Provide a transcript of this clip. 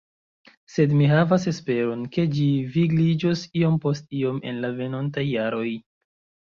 Sed mi havas esperon, ke ĝi vigliĝos iom post iom en la venontaj jaroj.